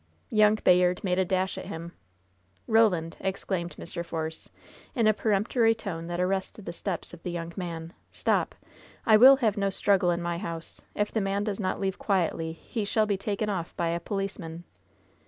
Young Bayard made a dash at him. 'TRolandl" exclaimed Mr. Force, in a peremptory tone that arrested the steps of the young man. "Stop ! I will have no struggle in my house. If the man does not leave quietly, he shall be taken off by a policeman."